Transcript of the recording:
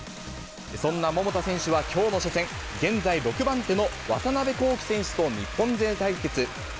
そんな桃田選手はきょうの初戦、現在６番手の渡邉航貴選手と日本勢対決。